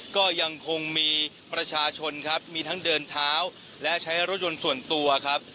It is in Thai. ก็ยังคงมีประชาชนครับมีทั้งเดินเท้าและใช้รถยนต์ส่วนตัวครับ